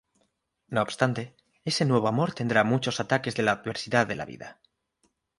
No obstante, ese nuevo amor tendrá muchos ataques de la adversidad de la vida.